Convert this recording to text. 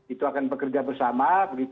itu akan bekerja bersama